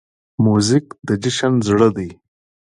موزیک د جشن زړه دی.